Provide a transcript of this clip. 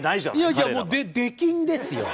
いやいやもう出禁ですよ。